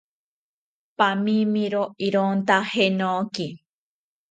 ¡Pamiomiro ironta jenoki!